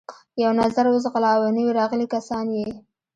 یو نظر و ځغلاوه، نوي راغلي کسان یې.